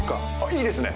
いいですね。